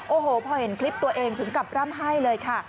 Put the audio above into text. โอ้โหพอเห็นคลิปตัวเองถึงกับร่ำไห้เลยค่ะ